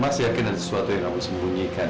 mas yakin ada sesuatu yang kamu sembunyikan